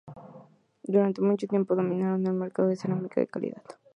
Durante mucho tiempo, dominaron el mercado de cerámica de calidad.